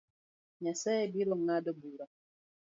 Nyasaye birongado bura